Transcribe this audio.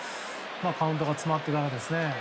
カウントが詰まってからですね。